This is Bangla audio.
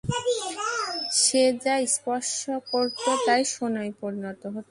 সে যা স্পর্শ করতো তাই সোনায় পরিণত হতো।